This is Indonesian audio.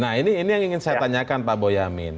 nah ini yang ingin saya tanyakan pak boyamin